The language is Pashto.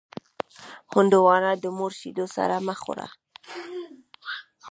هندوانه د مور شیدو سره مه خوره.